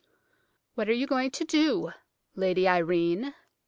"What are you going to do, Lady Irene?"